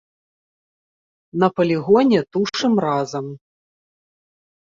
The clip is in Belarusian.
На палігоне тушым разам.